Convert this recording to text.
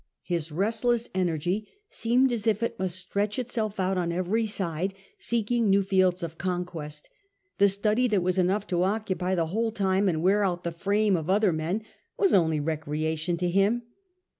His restless energy seemed as if it must stretch itself out on every side seeking new fields of conquest. The study that was enough to occupy the whole time and wear out the frame of other men was only recreation to him.